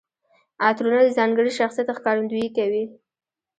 عطرونه د ځانګړي شخصیت ښکارندويي کوي.